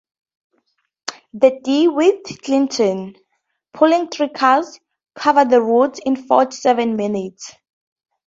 The DeWitt Clinton, pulling three cars, covered the route in forty-seven minutes.